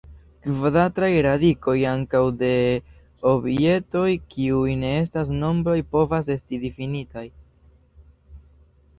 Kvadrataj radikoj ankaŭ de objektoj kiuj ne estas nombroj povas esti difinitaj.